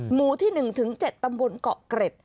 หมู่ที่๑ถึง๗ตำบลเกาะเกร็ด